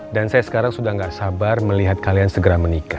dan saya sekarang sudah gak sabar melihat kalian segera menikah